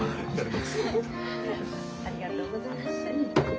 ありがとうございます。